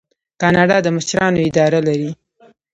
کاناډا د مشرانو اداره لري.